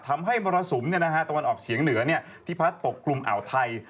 ทำให้มรสุมตะวันออกเฉียงเหนือที่พระธรรมกลุ่มอ่าวไทย